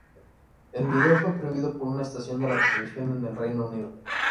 El vídeo fue prohibido por una estación de la televisión en el Reino Unido.